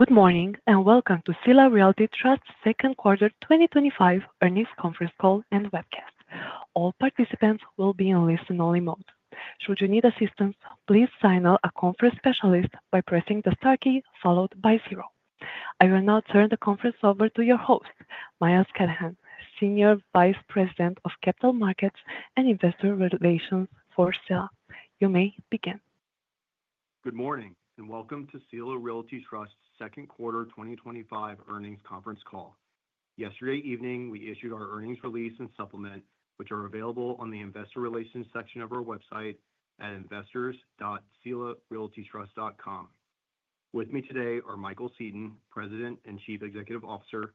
Good morning and welcome to Sila Realty Trust's Second Quarter 2025 Earnings Conference Call and Webcast. All participants will be in listen-only mode. Should you need assistance, please signal a conference specialist by pressing the star key followed by zero. I will now turn the conference over to your host, Miles Callahan, Senior Vice President of Capital Markets and Investor Relations for Sila. You may begin. Good morning and welcome to Sila Realty Trust's Second Quarter 2025 Earnings Conference Call. Yesterday evening, we issued our earnings release and supplement, which are available on the Investor Relations section of our website at investors.silarealtytrust.com. With me today are Michael Seton, President and Chief Executive Officer,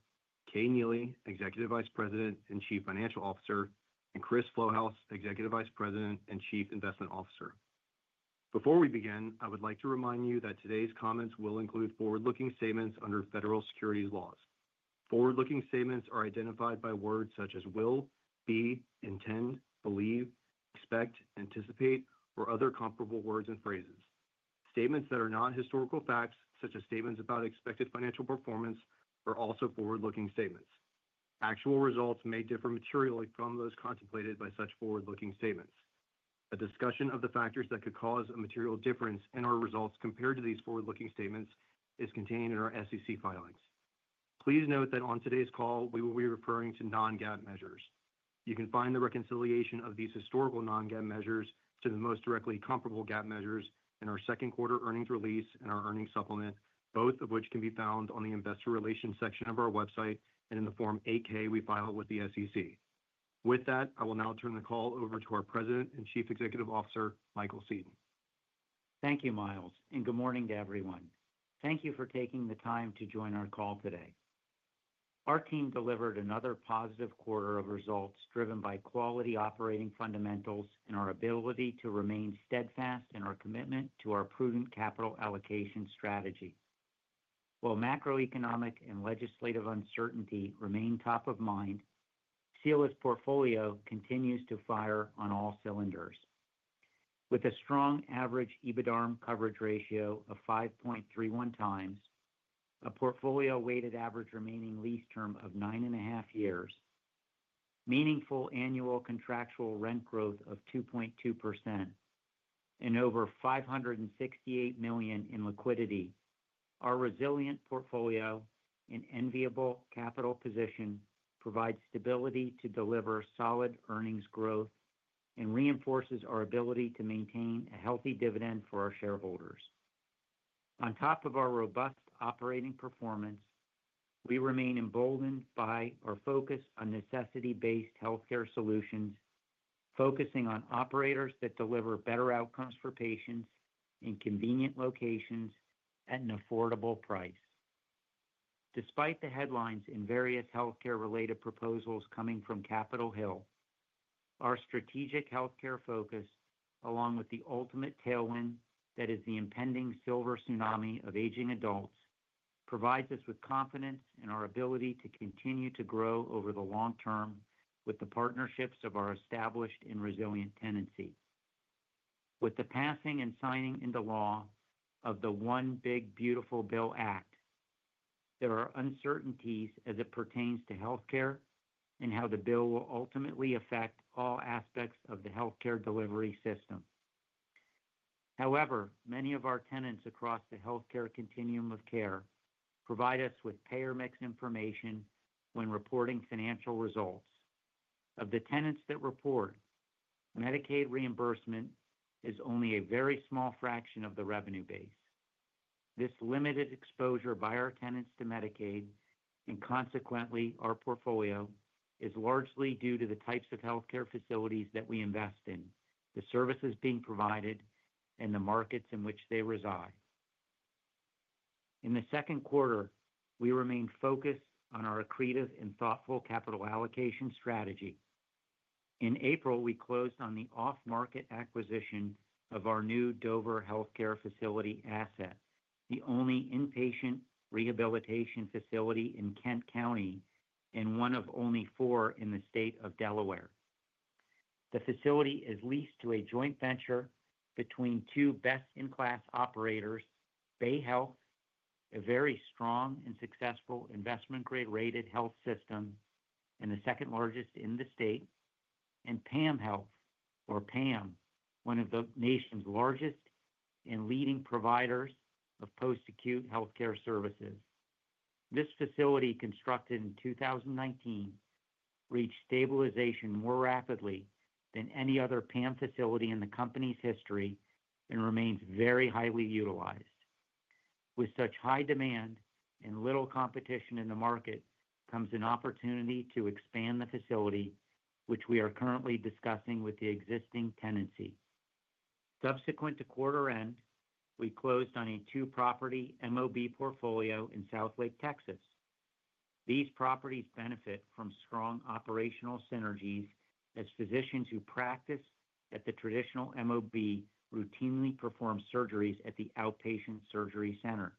Kay Neely, Executive Vice President and Chief Financial Officer, and Chris Flouhouse, Executive Vice President and Chief Investment Officer. Before we begin, I would like to remind you that today's comments will include forward-looking statements under federal securities laws. Forward-looking statements are identified by words such as "will," "be," "intend," "believe," "expect," "anticipate," or other comparable words and phrases. Statements that are non-historical facts, such as statements about expected financial performance, are also forward-looking statements. Actual results may differ materially from those contemplated by such forward-looking statements. A discussion of the factors that could cause a material difference in our results compared to these forward-looking statements is contained in our SEC filings. Please note that on today's call, we will be referring to non-GAAP measures. You can find the reconciliation of these historical non-GAAP measures to the most directly comparable GAAP measures in our second quarter earnings release and our earnings supplement, both of which can be found on the Investor Relations section of our website and in the Form 8-K we file with the SEC. With that, I will now turn the call over to our President and Chief Executive Officer, Michael Seton. Thank you, Miles, and good morning to everyone. Thank you for taking the time to join our call today. Our team delivered another positive quarter of results, driven by quality operating fundamentals and our ability to remain steadfast in our commitment to our prudent capital allocation strategy. While macroeconomic and legislative uncertainty remain top of mind, Sila's portfolio continues to fire on all cylinders. With a strong average EBITDA coverage ratio of 5.31x, a portfolio weighted average remaining lease term of nine and a half years, meaningful annual contractual rent growth of 2.2%, and over $568 million in liquidity, our resilient portfolio and enviable capital position provide stability to deliver solid earnings growth and reinforce our ability to maintain a healthy dividend for our shareholders. On top of our robust operating performance, we remain emboldened by our focus on necessity-based healthcare solutions, focusing on operators that deliver better outcomes for patients in convenient locations at an affordable price. Despite the headlines in various healthcare-related proposals coming from Capitol Hill, our strategic healthcare focus, along with the ultimate tailwind that is the impending silver tsunami of aging adults, provides us with confidence in our ability to continue to grow over the long term with the partnerships of our established and resilient tenancy. With the passing and signing into law of the One Big Beautiful Bill Act, there are uncertainties as it pertains to healthcare and how the bill will ultimately affect all aspects of the healthcare delivery system. However, many of our tenants across the healthcare continuum of care provide us with payer-mix information when reporting financial results. Of the tenants that report, Medicaid reimbursement is only a very small fraction of the revenue base. This limited exposure by our tenants to Medicaid and, consequently, our portfolio is largely due to the types of healthcare facilities that we invest in, the services being provided, and the markets in which they reside. In the second quarter, we remain focused on our accretive and thoughtful capital allocation strategy. In April, we closed on the off-market acquisition of our new Dover Healthcare Facility asset, the only inpatient rehabilitation facility in Kent County and one of only four in the state of Delaware. The facility is leased to a joint venture between two best-in-class operators: Bayhealth, a very strong and successful investment-grade rated health system and the second largest in the state, and PAM Health, or PAM, one of the nation's largest and leading providers of post-acute healthcare services. This facility, constructed in 2019, reached stabilization more rapidly than any other PAM facility in the company's history and remains very highly utilized. With such high demand and little competition in the market comes an opportunity to expand the facility, which we are currently discussing with the existing tenancy. Subsequent to quarter end, we closed on a two-property MOB portfolio in Southlake, Texas. These properties benefit from strong operational synergies as physicians who practice at the traditional MOB routinely perform surgeries at the outpatient surgery center,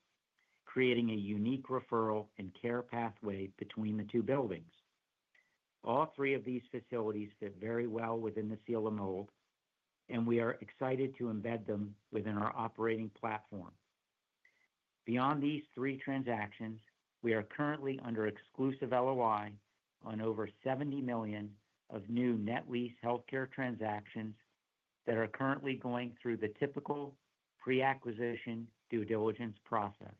creating a unique referral and care pathway between the two buildings. All three of these facilities fit very well within the Sila mold, and we are excited to embed them within our operating platform. Beyond these three transactions, we are currently under exclusive LOI on over $70 million of new net lease healthcare transactions that are currently going through the typical pre-acquisition due diligence process.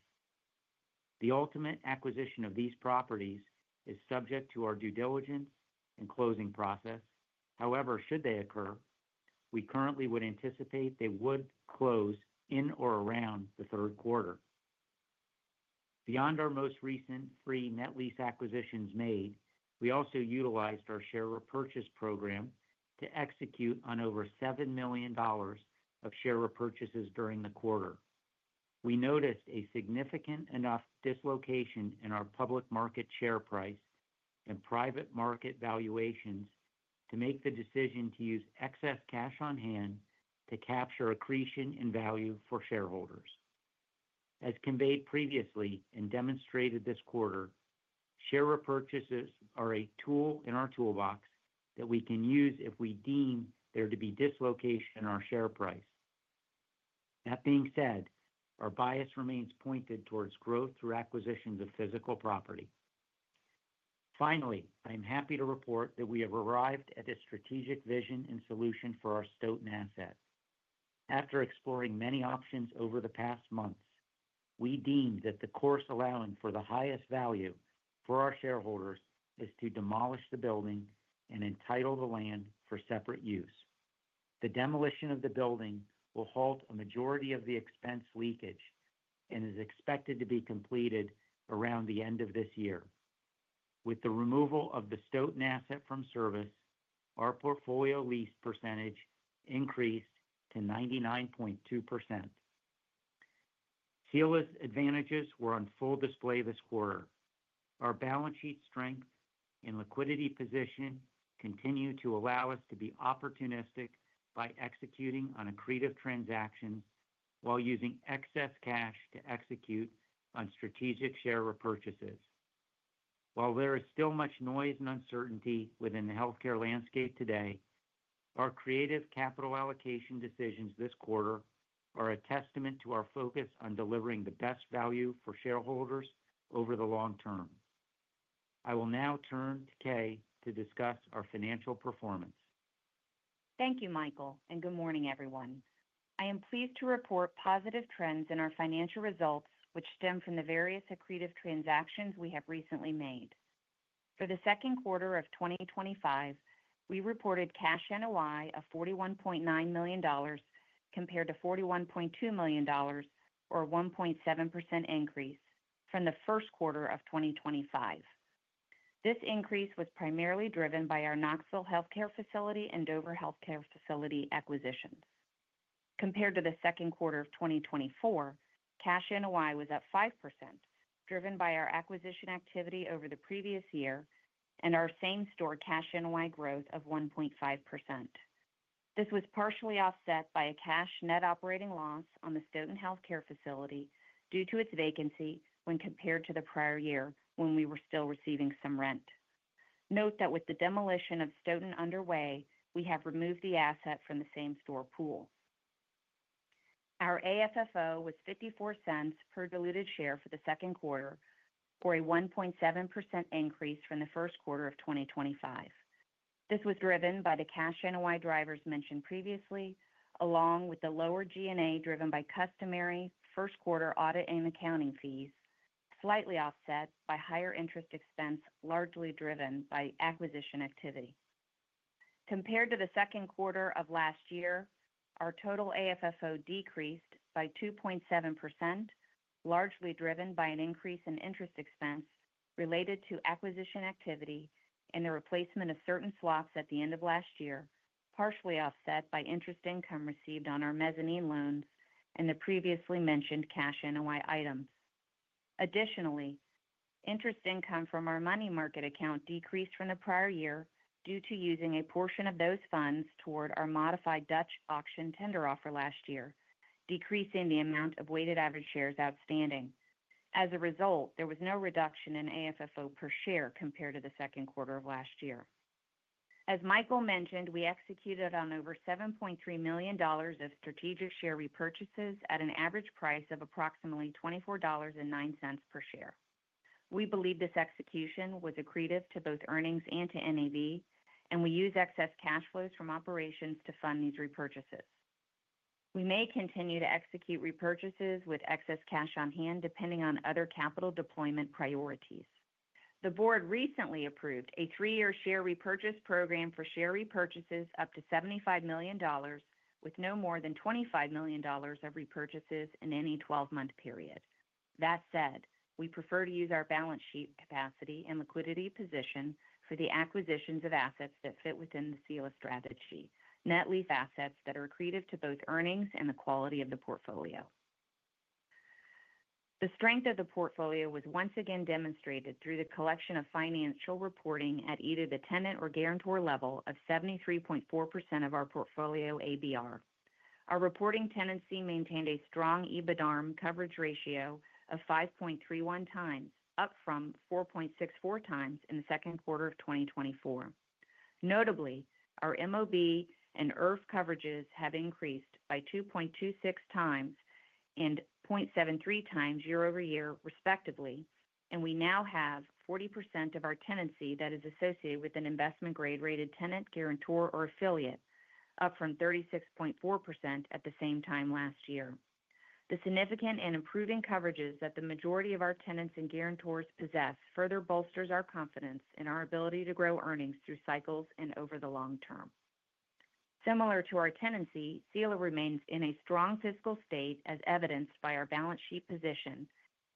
The ultimate acquisition of these properties is subject to our due diligence and closing process. However, should they occur, we currently would anticipate they would close in or around the third quarter. Beyond our most recent three net lease acquisitions made, we also utilized our share repurchase program to execute on over $7 million of share repurchases during the quarter. We noticed a significant enough dislocation in our public market share price and private market valuations to make the decision to use excess cash on hand to capture accretion in value for shareholders. As conveyed previously and demonstrated this quarter, share repurchases are a tool in our toolbox that we can use if we deem there to be dislocation in our share price. That being said, our bias remains pointed towards growth through acquisitions of physical property. Finally, I am happy to report that we have arrived at a strategic vision and solution for our Stoughton asset. After exploring many options over the past months, we deemed that the course allowing for the highest value for our shareholders is to demolish the building and entitle the land for separate use. The demolition of the building will halt a majority of the expense leakage and is expected to be completed around the end of this year. With the removal of the Stoughton asset from service, our portfolio lease percentage increased to 99.2%. Sila's advantages were on full display this quarter. Our balance sheet strength and liquidity position continue to allow us to be opportunistic by executing on accretive transactions while using excess cash to execute on strategic share repurchases. While there is still much noise and uncertainty within the healthcare landscape today, our creative capital allocation decisions this quarter are a testament to our focus on delivering the best value for shareholders over the long term. I will now turn to Kay to discuss our financial performance. Thank you, Michael, and good morning, everyone. I am pleased to report positive trends in our financial results, which stem from the various accretive transactions we have recently made. For the second quarter of 2025, we reported cash NOI of $41.9 million compared to $41.2 million, or a 1.7% increase from the first quarter of 2025. This increase was primarily driven by our Knoxville Healthcare Facility and Dover Healthcare Facility acquisitions. Compared to the second quarter of 2024, cash NOI was up 5%, driven by our acquisition activity over the previous year and our same store cash NOI growth of 1.5%. This was partially offset by a cash net operating loss on the Stoughton Healthcare Facility due to its vacancy when compared to the prior year when we were still receiving some rent. Note that with the demolition of Stoughton underway, we have removed the asset from the same store pool. Our AFFO was $0.54 per diluted share for the second quarter, or a 1.7% increase from the first quarter of 2025. This was driven by the cash NOI drivers mentioned previously, along with the lower G&A driven by customary first quarter audit and accounting fees, slightly offset by higher interest expense largely driven by acquisition activity. Compared to the second quarter of last year, our total AFFO decreased by 2.7%, largely driven by an increase in interest expense related to acquisition activity and the replacement of certain swaps at the end of last year, partially offset by interest income received on our mezzanine loans and the previously mentioned cash NOI items. Additionally, interest income from our money market account decreased from the prior year due to using a portion of those funds toward our modified Dutch auction tender offer last year, decreasing the amount of weighted average shares outstanding. As a result, there was no reduction in AFFO per share compared to the second quarter of last year. As Michael mentioned, we executed on over $7.3 million of strategic share repurchases at an average price of approximately $24.09 per share. We believe this execution was accretive to both earnings and to NAV, and we use excess cash flows from operations to fund these repurchases. We may continue to execute repurchases with excess cash on hand, depending on other capital deployment priorities. The board recently approved a three-year share repurchase program for share repurchases up to $75 million, with no more than $25 million of repurchases in any 12-month period. That said, we prefer to use our balance sheet capacity and liquidity position for the acquisitions of assets that fit within the Sila strategy, net lease assets that are accretive to both earnings and the quality of the portfolio. The strength of the portfolio was once again demonstrated through the collection of financial reporting at either the tenant or guarantor level of 73.4% of our portfolio ABR. Our reporting tenancy maintained a strong EBITDA coverage ratio of 5.31x, up from 4.64x in the second quarter of 2024. Notably, our MOB and [ERF] coverages have increased by 2.26x and 0.73x times year-over-year, respectively, and we now have 40% of our tenancy that is associated with an investment-grade rated tenant, guarantor, or affiliate, up from 36.4% at the same time last year. The significant and improving coverages that the majority of our tenants and guarantors possess further bolsters our confidence in our ability to grow earnings through cycles and over the long term. Similar to our tenancy, Sila remains in a strong fiscal state as evidenced by our balance sheet position,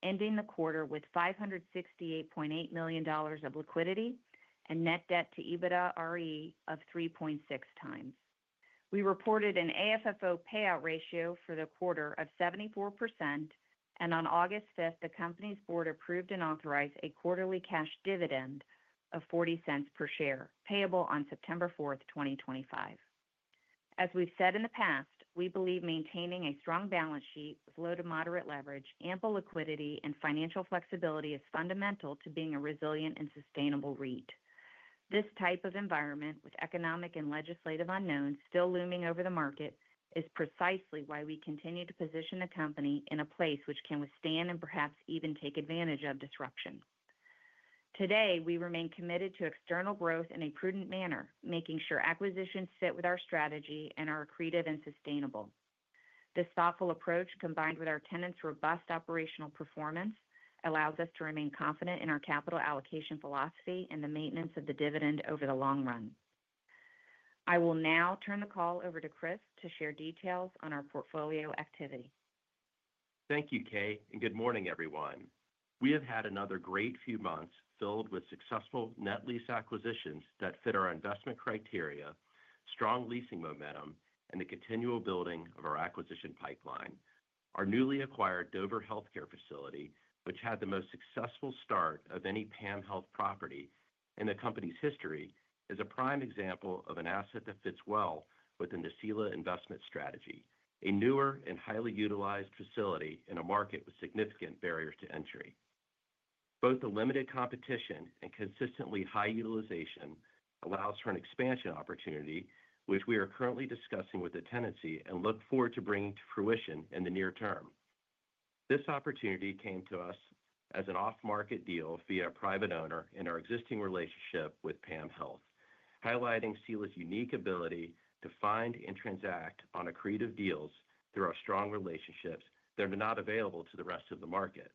ending the quarter with $568.8 million of liquidity and net debt to EBITDAre of 3.6x. We reported an AFFO payout ratio for the quarter of 74%, and on August 5th, the company's board approved and authorized a quarterly cash dividend of $0.40 per share, payable on September 4th, 2025. As we've said in the past, we believe maintaining a strong balance sheet with low to moderate leverage, ample liquidity, and financial flexibility is fundamental to being a resilient and sustainable REIT. This type of environment, with economic and legislative unknowns still looming over the market, is precisely why we continue to position the company in a place which can withstand and perhaps even take advantage of disruption. Today, we remain committed to external growth in a prudent manner, making sure acquisitions fit with our strategy and are accretive and sustainable. This thoughtful approach, combined with our tenants' robust operational performance, allows us to remain confident in our capital allocation philosophy and the maintenance of the dividend over the long run. I will now turn the call over to Chris to share details on our portfolio activity. Thank you, Kay, and good morning, everyone. We have had another great few months filled with successful net lease acquisitions that fit our investment criteria, strong leasing momentum, and the continual building of our acquisition pipeline. Our newly acquired Dover Healthcare Facility, which had the most successful start of any PAM Health property in the company's history, is a prime example of an asset that fits well within the Sila investment strategy, a newer and highly utilized facility in a market with significant barriers to entry. Both the limited competition and consistently high utilization allow for an expansion opportunity, which we are currently discussing with the tenancy and look forward to bringing to fruition in the near term. This opportunity came to us as an off-market deal via a private owner in our existing relationship with PAM Health, highlighting Sila's unique ability to find and transact on accretive deals through our strong relationships that are not available to the rest of the market.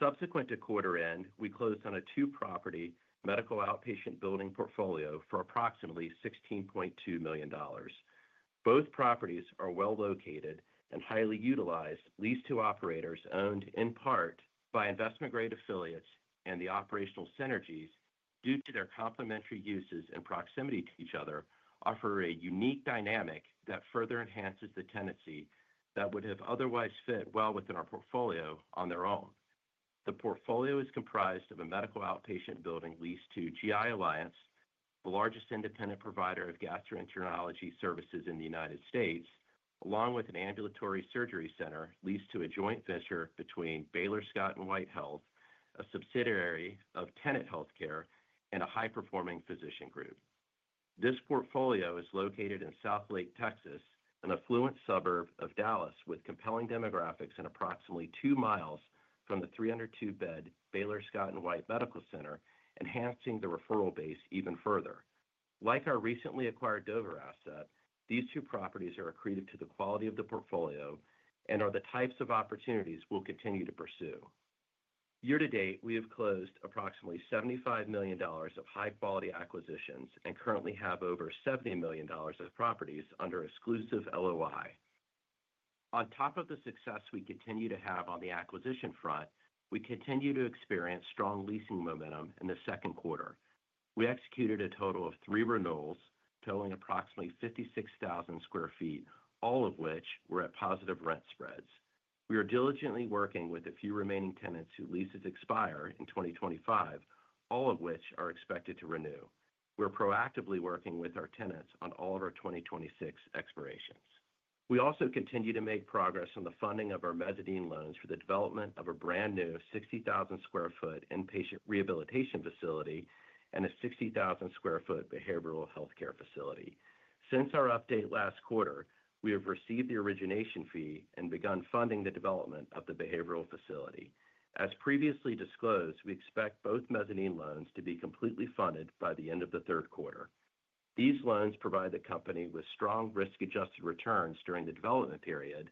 Subsequent to quarter end, we closed on a two-property medical outpatient building portfolio for approximately $16.2 million. Both properties are well-located and highly utilized, leased to operators owned in part by investment-grade affiliates, and the operational synergies, due to their complementary uses and proximity to each other, offer a unique dynamic that further enhances the tenancy that would have otherwise fit well within our portfolio on their own. The portfolio is comprised of a medical outpatient building leased to GI Alliance, the largest independent provider of gastroenterology services in the United States, along with an ambulatory surgery center leased to a joint venture between Baylor Scott & White Health and a high-performing physician group. This portfolio is located in Southlake, Texas, an affluent suburb of Dallas with compelling demographics and approximately two miles from the 302-bed Baylor Scott & White Medical Center, enhancing the referral base even further. Like our recently acquired Dover asset, these two properties are accretive to the quality of the portfolio and are the types of opportunities we'll continue to pursue. Year-to-date, we have closed approximately $75 million of high-quality acquisitions and currently have over $70 million of properties under exclusive LOI. On top of the success we continue to have on the acquisition front, we continue to experience strong leasing momentum in the second quarter. We executed a total of three renewals, totaling approximately 56,000 sq ft, all of which were at positive rent spreads. We are diligently working with a few remaining tenants whose leases expire in 2025, all of which are expected to renew. We're proactively working with our tenants on all of our 2026 expirations. We also continue to make progress on the funding of our mezzanine loans for the development of a brand new 60,000 sq ft inpatient rehabilitation facility and a 60,000 sq ft behavioral healthcare facility. Since our update last quarter, we have received the origination fee and begun funding the development of the behavioral facility. As previously disclosed, we expect both mezzanine loans to be completely funded by the end of the third quarter. These loans provide the company with strong risk-adjusted returns during the development period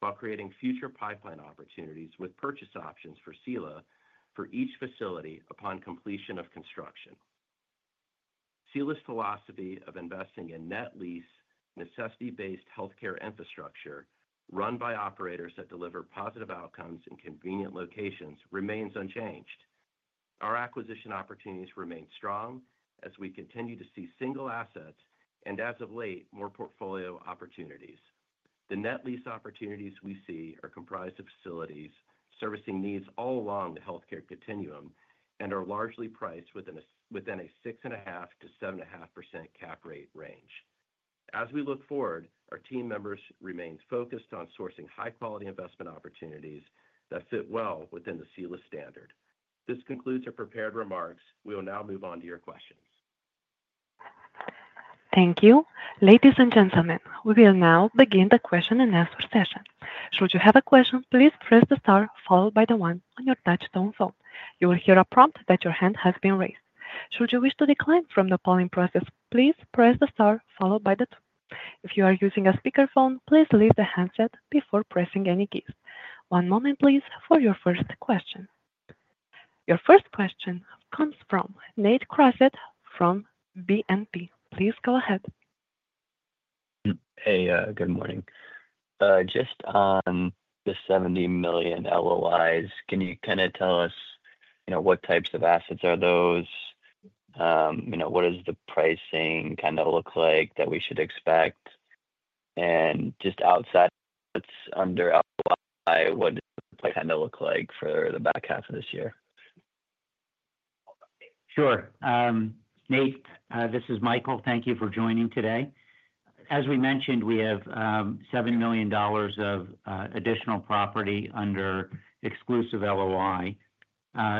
while creating future pipeline opportunities with purchase options for Sila for each facility upon completion of construction. Sila's philosophy of investing in net lease, necessity-based healthcare infrastructure run by operators that deliver positive outcomes in convenient locations remains unchanged. Our acquisition opportunities remain strong as we continue to see single assets and, as of late, more portfolio opportunities. The net lease opportunities we see are comprised of facilities servicing needs all along the healthcare continuum and are largely priced within a 6.5%-7.5% cap rate range. As we look forward, our team members remain focused on sourcing high-quality investment opportunities that fit well within the Sila standard. This concludes our prepared remarks. We will now move on to your questions. Thank you. Ladies and gentlemen, we will now begin the question and answer session. Should you have a question, please press the star followed by the one on your touch-tone phone. You will hear a prompt that your hand has been raised. Should you wish to decline from the polling process, please press the star followed by the two. If you are using a speakerphone, please lift the handset before pressing any keys. One moment, please, for your first question. Your first question comes from Nate Crossett from BNP. Please go ahead. Hey, good morning. Just on the $70 million LOIs, can you kind of tell us, you know, what types of assets are those? You know, what does the pricing kind of look like that we should expect? Just outside what's under LOI, what does it kind of look like for the back half of this year? Sure. Nate, this is Michael. Thank you for joining today. As we mentioned, we have $7 million of additional property under exclusive LOI.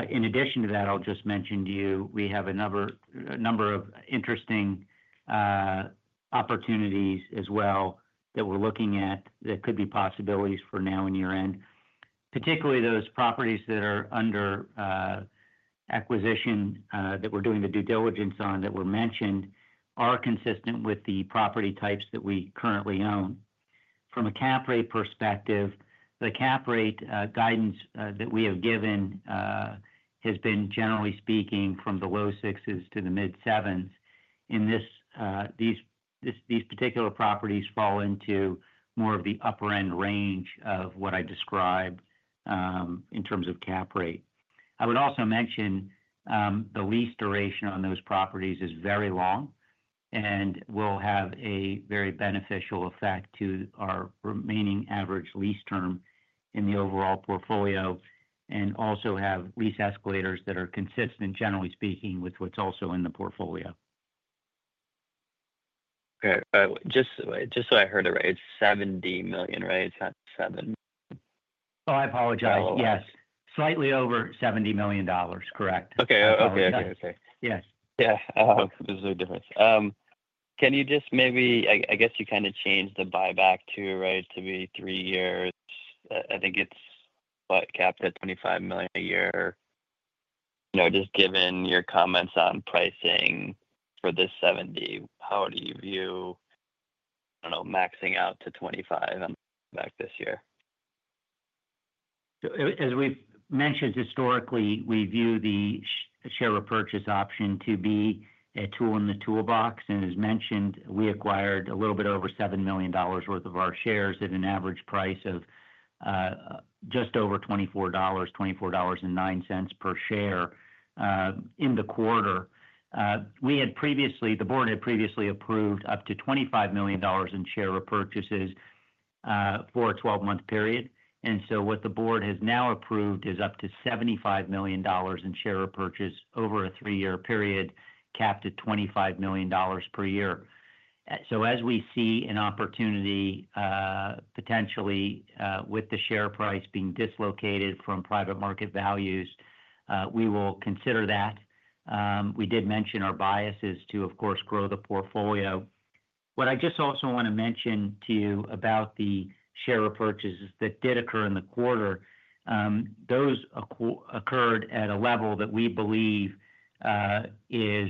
In addition to that, I'll just mention to you we have another number of interesting opportunities as well that we're looking at that could be possibilities for now and year-end. Particularly, those properties that are under acquisition that we're doing the due diligence on that were mentioned are consistent with the property types that we currently own. From a cap rate perspective, the cap rate guidance that we have given has been, generally speaking, from the low 6% to the mid 7%. These particular properties fall into more of the upper-end range of what I describe in terms of cap rate. I would also mention the lease duration on those properties is very long and will have a very beneficial effect to our remaining average lease term in the overall portfolio and also have lease escalators that are consistent, generally speaking, with what's also in the portfolio. Okay. Just so I heard it right, it's $70 million, right? It's not $7 million. Oh, I apologize. Yes, slightly over $70 million, correct. Okay. Okay. Okay. Yes. Yeah. There's no difference. Can you just maybe, I guess you kind of changed the buyback too, right, to be three years? I think it's what, capped at $25 million a year. You know, just given your comments on pricing for this $70 million, how do you view, I don't know, maxing out to $25 million back this year? As we've mentioned, historically, we view the share repurchase option to be a tool in the toolbox. As mentioned, we acquired a little bit over $7 million worth of our shares at an average price of just over $24, $24.09 per share in the quarter. The board had previously approved up to $25 million in share repurchases for a 12-month period. What the board has now approved is up to $75 million in share repurchase over a three-year period capped at $25 million per year. As we see an opportunity potentially with the share price being dislocated from private market values, we will consider that. We did mention our bias is to, of course, grow the portfolio. What I just also want to mention to you about the share repurchases that did occur in the quarter, those occurred at a level that we believe is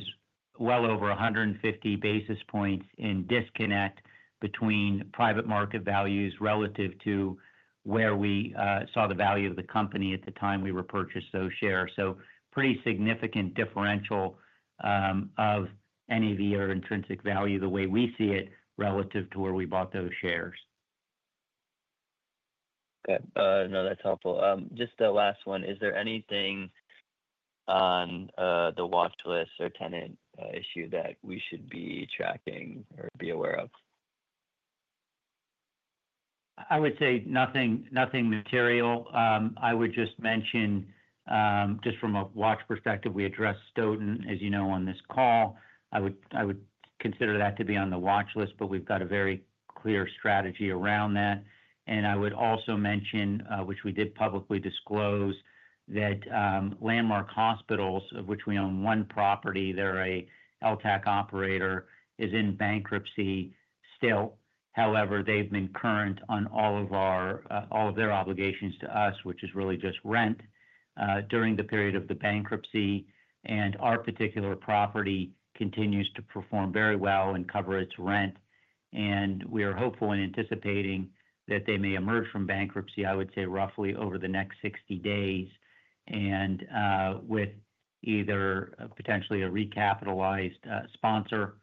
well over 150 basis points in disconnect between private market values relative to where we saw the value of the company at the time we repurchased those shares. Pretty significant differential of NAV or intrinsic value the way we see it relative to where we bought those shares. Okay. No, that's helpful. Just the last one, is there anything on the watch list or tenant issue that we should be tracking or be aware of? I would say nothing material. I would just mention, just from a watch perspective, we addressed Stoughton, as you know, on this call. I would consider that to be on the watch list, but we've got a very clear strategy around that. I would also mention, which we did publicly disclose, that Landmark Hospitals, of which we own one property, they're an LTACH operator, is in bankruptcy still. However, they've been current on all of their obligations to us, which is really just rent, during the period of the bankruptcy. Our particular property continues to perform very well and cover its rent. We are hopeful and anticipating that they may emerge from bankruptcy, I would say, roughly over the next 60 days, with either potentially a recapitalized sponsor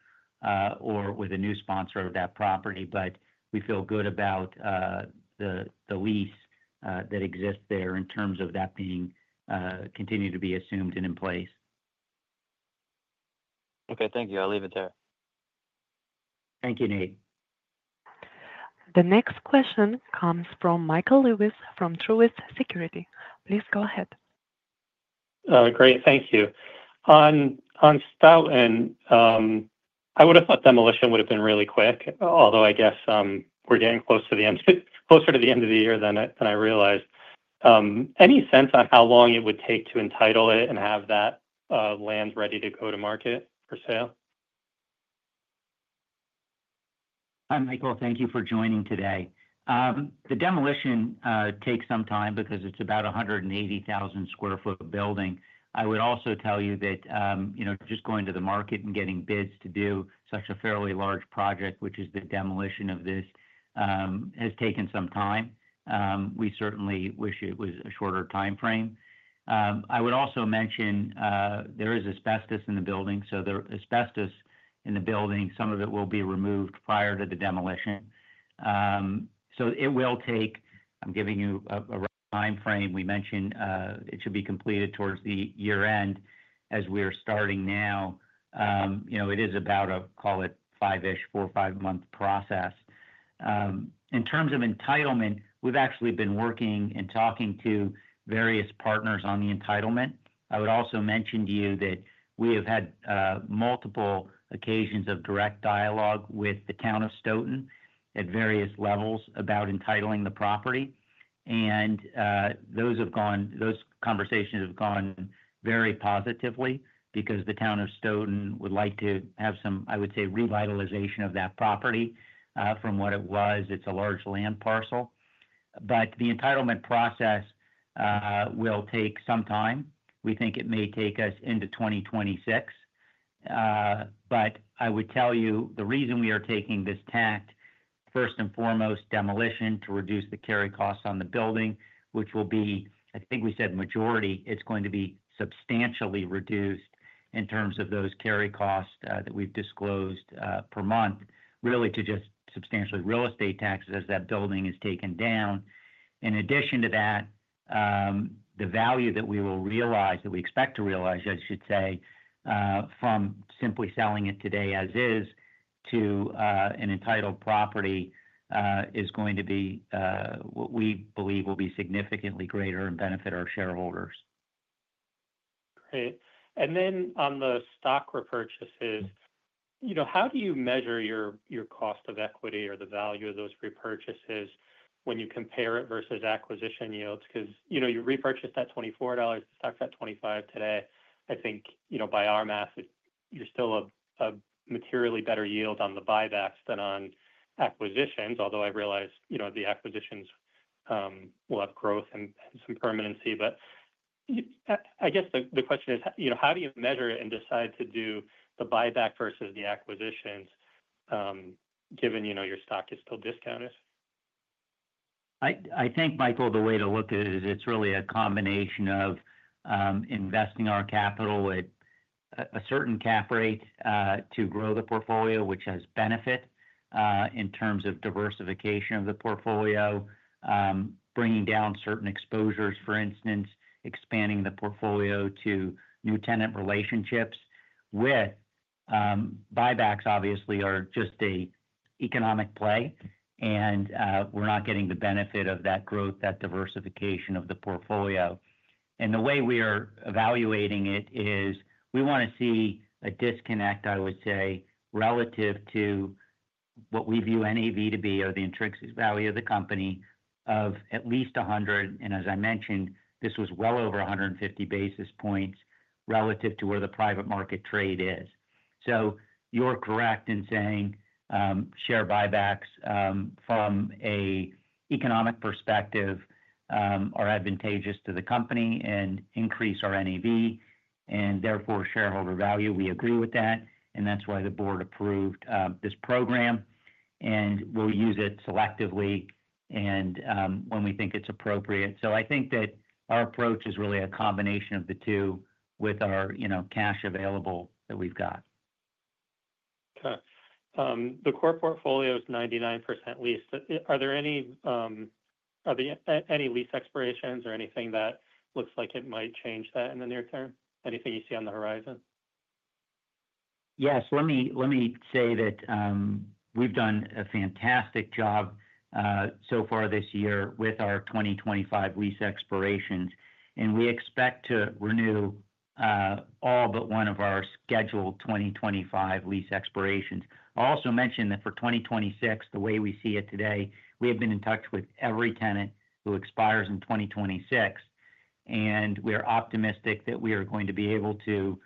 or with a new sponsor of that property. We feel good about the lease that exists there in terms of that being continued to be assumed and in place. Okay. Thank you. I'll leave it there. Thank you, Nate. The next question comes from Michael Lewis from Truist Securities. Please go ahead. Great. Thank you. On Stoughton, I would have thought demolition would have been really quick, although I guess we're getting close to the end, closer to the end of the year than I realized. Any sense on how long it would take to entitle it and have that land ready to go to market for sale? Hi, Michael. Thank you for joining today. The demolition takes some time because it's about 180,000 sq ft of building. I would also tell you that just going to the market and getting bids to do such a fairly large project, which is the demolition of this, has taken some time. We certainly wish it was a shorter timeframe. I would also mention there is asbestos in the building. The asbestos in the building, some of it will be removed prior to the demolition. It will take, I'm giving you a timeframe. We mentioned it should be completed towards the year-end as we're starting now. It is about a, call it, five-ish, four or five-month process. In terms of entitlement, we've actually been working and talking to various partners on the entitlement. I would also mention to you that we have had multiple occasions of direct dialogue with the town of Stoughton at various levels about entitling the property. Those conversations have gone very positively because the town of Stoughton would like to have some, I would say, revitalization of that property from what it was. It's a large land parcel. The entitlement process will take some time. We think it may take us into 2026. I would tell you the reason we are taking this tact, first and foremost, demolition to reduce the carry costs on the building, which will be, I think we said majority, it's going to be substantially reduced in terms of those carry costs that we've disclosed per month, really to just substantially real estate taxes as that building is taken down. In addition to that, the value that we will realize, that we expect to realize, I should say, from simply selling it today as is to an entitled property is going to be what we believe will be significantly greater and benefit our shareholders. Great. On the stock repurchases, how do you measure your cost of equity or the value of those repurchases when you compare it versus acquisition yields? You repurchased at $24, stock at $25 today. I think, by our math, you're still a materially better yield on the buybacks than on acquisitions, although I realize the acquisitions will have growth and some permanency. I guess the question is, how do you measure it and decide to do the buyback versus the acquisitions given your stock is still discounted? I think, Michael, the way to look at it is it's really a combination of investing our capital at a certain cap rate to grow the portfolio, which has benefit in terms of diversification of the portfolio, bringing down certain exposures, for instance, expanding the portfolio to new tenant relationships. Buybacks, obviously, are just an economic play, and we're not getting the benefit of that growth, that diversification of the portfolio. The way we are evaluating it is we want to see a disconnect, I would say, relative to what we view NAV to be or the intrinsic value of the company of at least 100. As I mentioned, this was well over 150 basis points relative to where the private market trade is. You're correct in saying share buybacks from an economic perspective are advantageous to the company and increase our NAV and therefore shareholder value. We agree with that. That's why the board approved this program and will use it selectively and when we think it's appropriate. I think that our approach is really a combination of the two with our, you know, cash available that we've got. Okay. The core portfolio is 99% leased. Are there any lease expirations or anything that looks like it might change that in the near term? Anything you see on the horizon? Yes. Let me say that we've done a fantastic job so far this year with our 2025 lease expirations, and we expect to renew all but one of our scheduled 2025 lease expirations. I'll also mention that for 2026, the way we see it today, we have been in touch with every tenant who expires in 2026, and we are optimistic that we are going to be able to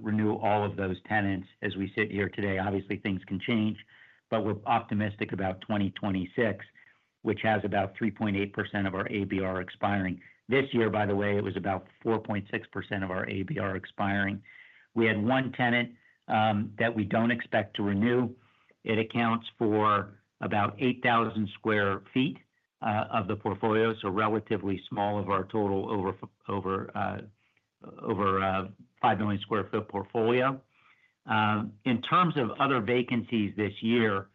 renew all of those tenants as we sit here today. Obviously, things can change, but we're optimistic about 2026, which has about 3.8% of our ABR expiring. This year, by the way, it was about 4.6% of our ABR expiring. We had one tenant that we don't expect to renew. It accounts for about 8,000 sq ft of the portfolio, so relatively small of our total over 5 million sq ft portfolio. In terms of other vacancies this year,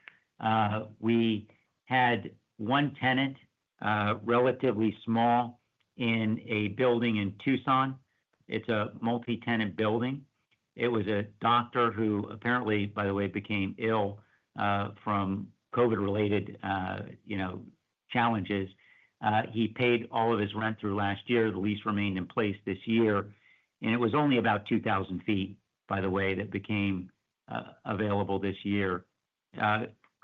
we had one tenant, relatively small, in a building in Tucson. It's a multi-tenant building. It was a doctor who apparently, by the way, became ill from COVID-related challenges. He paid all of his rent through last year. The lease remained in place this year, and it was only about 2,000 ft, by the way, that became available this year.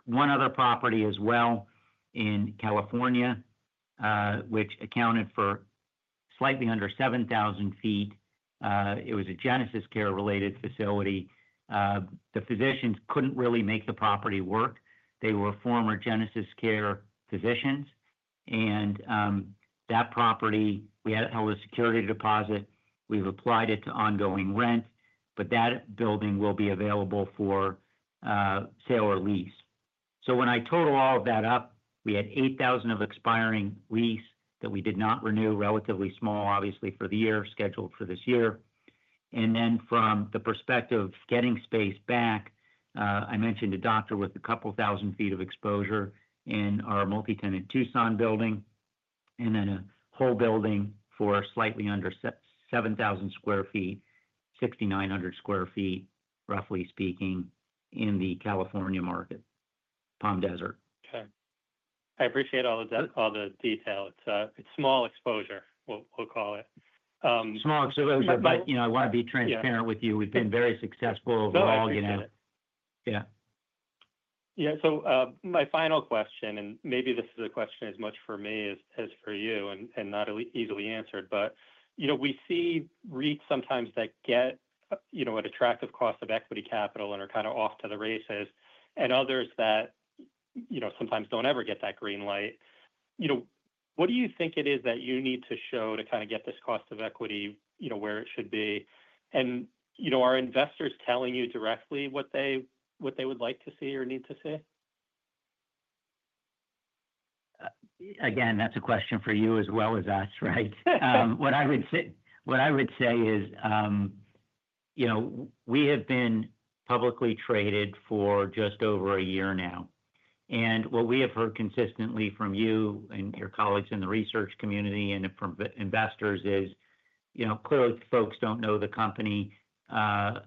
One other property as well in California, which accounted for slightly under 7,000 ft. It was a GenesisCare-related facility. The physicians couldn't really make the property work. They were former GenesisCare physicians. That property, we held a security deposit. We've applied it to ongoing rent, but that building will be available for sale or lease. When I total all of that up, we had 8,000 of expiring lease that we did not renew, relatively small, obviously, for the year scheduled for this year. From the perspective of getting space back, I mentioned a doctor with a couple thousand feet of exposure in our multi-tenant Tucson building, and then a whole building for slightly under 7,000 sq ft, 6,900 sq ft, roughly speaking, in the California market, Palm Desert. Okay. I appreciate all the detail. It's small exposure, we'll call it. Small exposure, but you know, I want to be transparent with you. We've been very successful overall. Yeah. My final question, and maybe this is a question as much for me as for you and not easily answered, but you know, we see REITs sometimes that get an attractive cost of equity capital and are kind of off to the races, and others that sometimes don't ever get that green light. What do you think it is that you need to show to kind of get this cost of equity where it should be? Are investors telling you directly what they would like to see or need to see? That's a question for you as well as us, right? What I would say is, you know, we have been publicly traded for just over a year now. What we have heard consistently from you and your colleagues in the research community and from investors is, you know, clearly folks don't know the company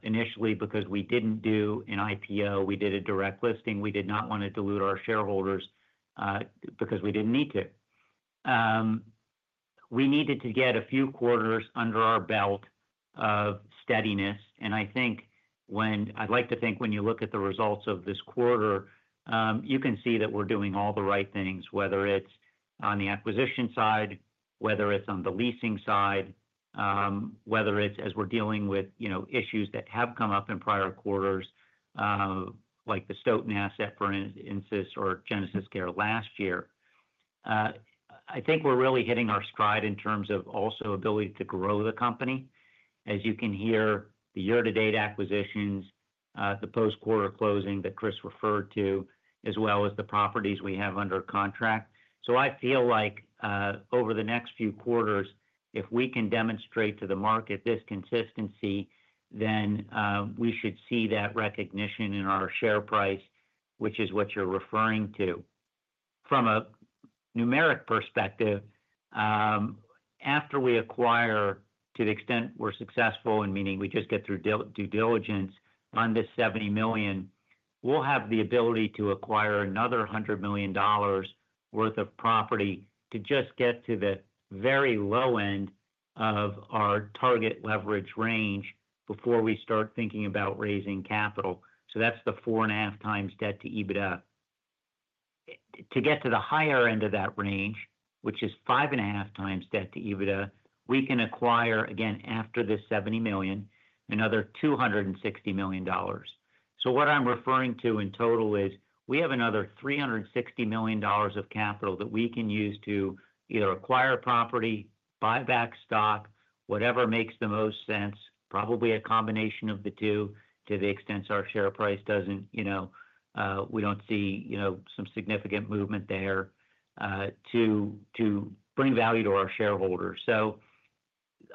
initially because we didn't do an IPO. We did a direct listing. We did not want to dilute our shareholders because we didn't need to. We needed to get a few quarters under our belt of steadiness. I think when you look at the results of this quarter, you can see that we're doing all the right things, whether it's on the acquisition side, whether it's on the leasing side, whether it's as we're dealing with issues that have come up in prior quarters, like the Stoughton asset, for instance, or GenesisCare last year. I think we're really hitting our stride in terms of also ability to grow the company. As you can hear, the year-to-date acquisitions, the post-quarter closing that Chris referred to, as well as the properties we have under contract. I feel like over the next few quarters, if we can demonstrate to the market this consistency, then we should see that recognition in our share price, which is what you're referring to. From a numeric perspective, after we acquire, to the extent we're successful, and meaning we just get through due diligence on this $70 million, we'll have the ability to acquire another $100 million worth of property to just get to the very low end of our target leverage range before we start thinking about raising capital. That's the 4.5x debt to EBITDA. To get to the higher end of that range, which is 5.5x debt to EBITDA, we can acquire, again, after this $70 million, another $260 million. What I'm referring to in total is we have another $360 million of capital that we can use to either acquire property, buy back stock, whatever makes the most sense, probably a combination of the two to the extent our share price doesn't, you know, we don't see, you know, some significant movement there to bring value to our shareholders.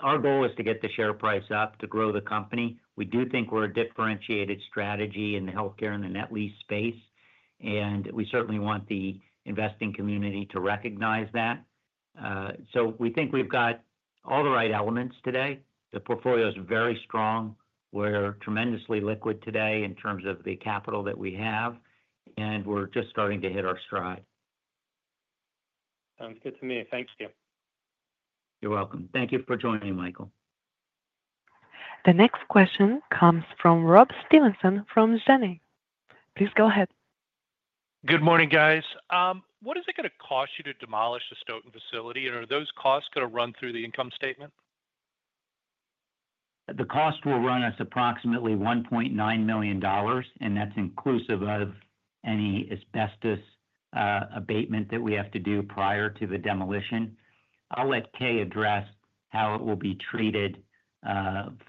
Our goal is to get the share price up to grow the company. We do think we're a differentiated strategy in the healthcare and the net lease space, and we certainly want the investing community to recognize that. We think we've got all the right elements today. The portfolio is very strong. We're tremendously liquid today in terms of the capital that we have, and we're just starting to hit our stride. Sounds good to me. Thank you. You're welcome. Thank you for joining, Michael. The next question comes from Rob Stevenson from Janney. Please go ahead. Good morning, guys. What is it going to cost you to demolish the Stoughton facility, and are those costs going to run through the income statement? The cost will run us approximately $1.9 million, and that's inclusive of any asbestos abatement that we have to do prior to the demolition. I'll let Kay address how it will be treated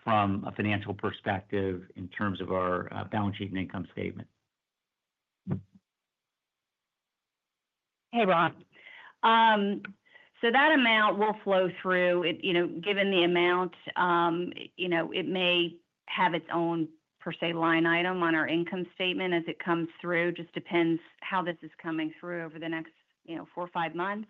from a financial perspective in terms of our balance sheet and income statement. Hey, Rob. That amount will flow through. Given the amount, it may have its own per se line item on our income statement as it comes through. It just depends how this is coming through over the next four or five months.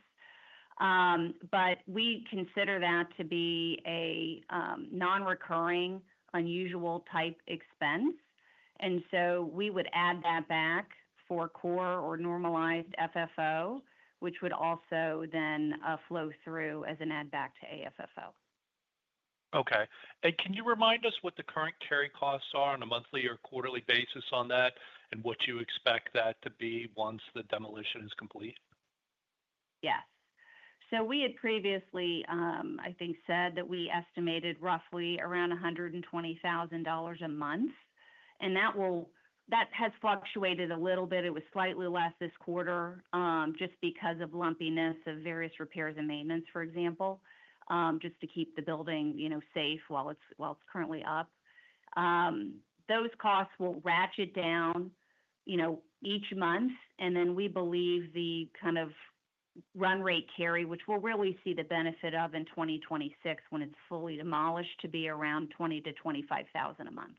We consider that to be a non-recurring, unusual type expense. We would add that back for core or normalized FFO, which would also then flow through as an add-back to AFFO. Okay. Can you remind us what the current carry costs are on a monthly or quarterly basis on that and what you expect that to be once the demolition is complete? Yes. We had previously, I think, said that we estimated roughly around $120,000 a month. That has fluctuated a little bit. It was slightly less this quarter just because of lumpiness of various repairs and maintenance, for example, just to keep the building safe while it's currently up. Those costs will ratchet down each month. We believe the kind of run rate carry, which we'll really see the benefit of in 2026 when it's fully demolished, to be around $20,000-$25,000 a month.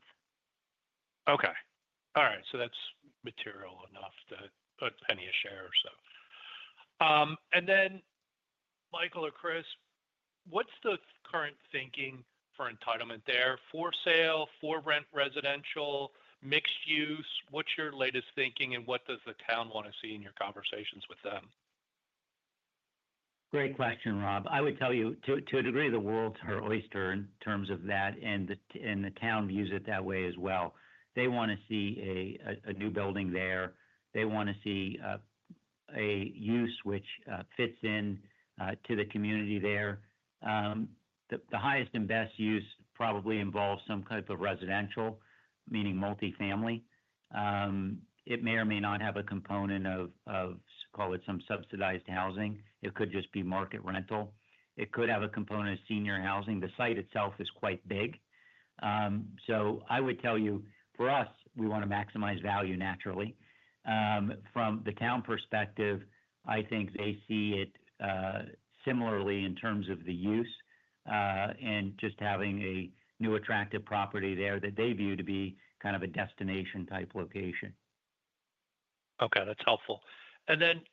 All right. That's material enough to put any a share or so. Michael or Chris, what's the current thinking for entitlement there for sale, for rent, residential, mixed use? What's your latest thinking, and what does the town want to see in your conversations with them? Great question, Rob. I would tell you, to a degree, the world's oyster in terms of that, and the town views it that way as well. They want to see a new building there. They want to see a use which fits into the community there. The highest and best use probably involves some type of residential, meaning multifamily. It may or may not have a component of, call it, some subsidized housing. It could just be market rental. It could have a component of senior housing. The site itself is quite big. I would tell you, for us, we want to maximize value naturally. From the town perspective, I think they see it similarly in terms of the use and just having a new attractive property there that they view to be kind of a destination type location. Okay. That's helpful.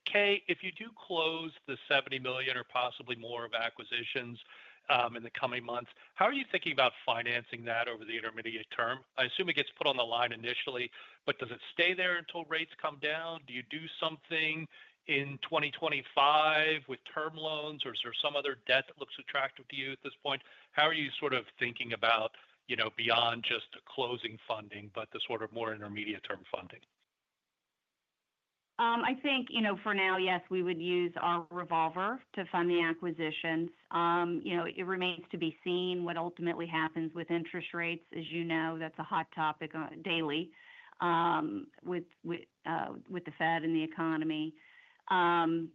Kay, if you do close the $70 million or possibly more of acquisitions in the coming months, how are you thinking about financing that over the intermediate term? I assume it gets put on the line initially, but does it stay there until rates come down? Do you do something in 2025 with term loans, or is there some other debt that looks attractive to you at this point? How are you sort of thinking about, you know, beyond just closing funding, but the sort of more intermediate-term funding? I think, for now, yes, we would use our revolver to fund the acquisitions. It remains to be seen what ultimately happens with interest rates. As you know, that's a hot topic daily with the Fed and the economy. Since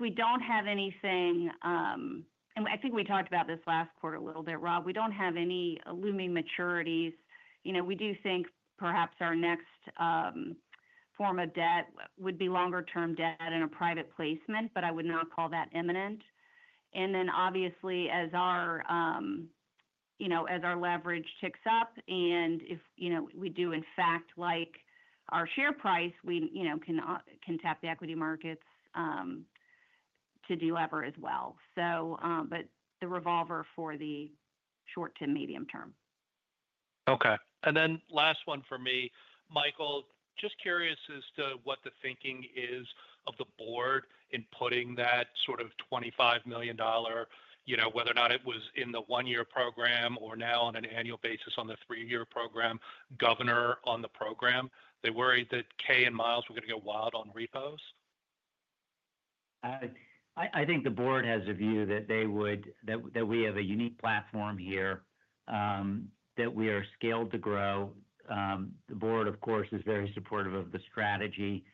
we don't have anything, and I think we talked about this last quarter a little bit, Rob, we don't have any looming maturities. We do think perhaps our next form of debt would be longer-term debt and a private placement, but I would not call that imminent. Obviously, as our leverage ticks up, and if we do, in fact, like our share price, we can tap the equity markets to do that as well. The revolver for the short to medium term. Okay. Last one for me, Michael, just curious as to what the thinking is of the board in putting that sort of $25 million, you know, whether or not it was in the one-year program or now on an annual basis on the three-year program, governor on the program. They worried that Kay and Miles were going to go wild on repos? I think the board has a view that we have a unique platform here, that we are scaled to grow. The board, of course, is very supportive of the strategy.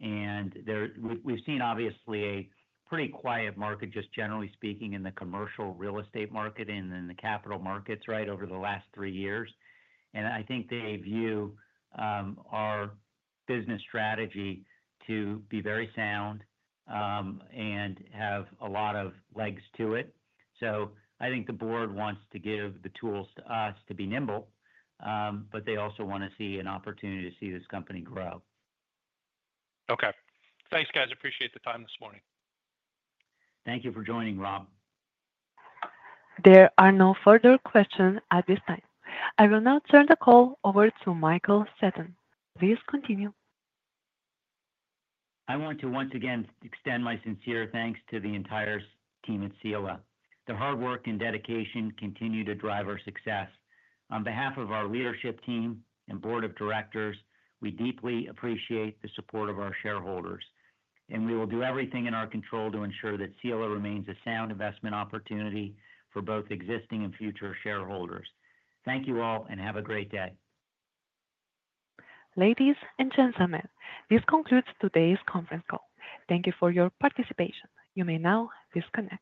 We've seen a pretty quiet market, just generally speaking, in the commercial real estate market and in the capital markets over the last three years. I think they view our business strategy to be very sound and have a lot of legs to it. I think the board wants to give the tools to us to be nimble, but they also want to see an opportunity to see this company grow. Okay, thanks, guys. I appreciate the time this morning. Thank you for joining, Rob. There are no further questions at this time. I will now turn the call over to Michael Seton. Please continue. I want to once again extend my sincere thanks to the entire team at Sila. Their hard work and dedication continue to drive our success. On behalf of our leadership team and Board of Directors, we deeply appreciate the support of our shareholders, and we will do everything in our control to ensure that Sila remains a sound investment opportunity for both existing and future shareholders. Thank you all and have a great day. Ladies and gentlemen, this concludes today's conference call. Thank you for your participation. You may now disconnect.